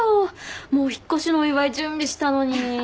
もう引っ越しのお祝い準備したのに。